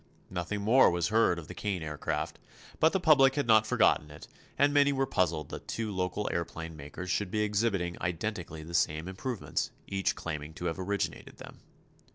Nothing more was heard of the Kane Aircraft, but the public had not forgotten it and many were puzzled that two local aëroplane makers should be exhibiting identically the same improvements, each claiming to have originated them.